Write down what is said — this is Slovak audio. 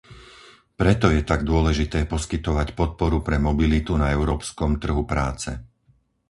Preto je tak dôležité poskytovať podporu pre mobilitu na európskom trhu práce.